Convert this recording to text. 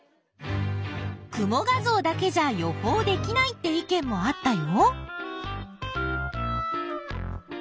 雲画像だけじゃ予報できないって意見もあったよ。